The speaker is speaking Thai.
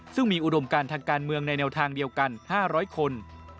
ซึ่งมีอุดมการทางการเมืองในแนวทางเดียวกัน๕๐๐คน